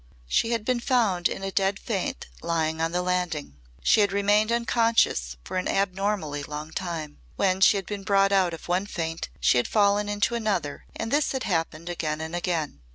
She had been found in a dead faint lying on the landing. She had remained unconscious for an abnormally long time. When she had been brought out of one faint she had fallen into another and this had happened again and again.